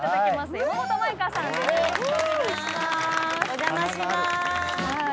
お邪魔しまーす。